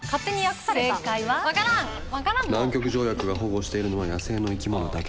南極条約が保護しているのは野生の生き物だけ。